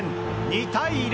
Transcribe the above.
２対０！